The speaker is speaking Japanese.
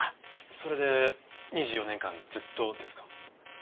それで２４年間ずっとですか？